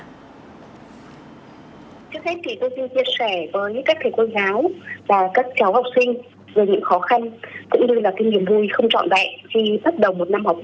trước hết thì tôi xin chia sẻ với các thầy cô giáo và các cháu học sinh